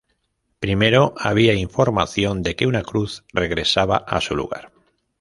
Primero, había información de que una cruz regresaba a su lugar.